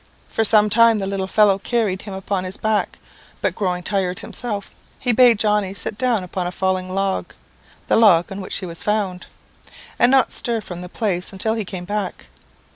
For some time the other little fellow carried him upon his back; but growing tired himself, he bade Johnnie sit down upon a fallen log, (the log on which he was found,) and not stir from the place until he came back.